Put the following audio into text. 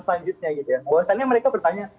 selanjutnya gitu ya bahwasannya mereka bertanya